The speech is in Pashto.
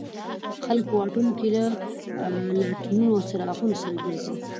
خلک په واټونو کې له لاټېنونو او څراغونو سره ګرځي.